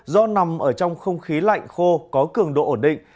do nằm ở trong không khí lạnh khô có cường độ ổn định